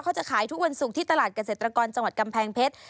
จะขายทุกวันศุกร์ที่ตลาดเกษตรกรจังหวัดกำแพงเพชร